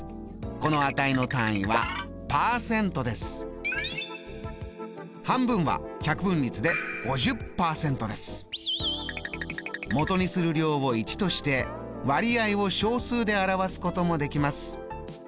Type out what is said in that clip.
この値の単位は半分は百分率でもとにする量を１として割合を小数で表すこともできます。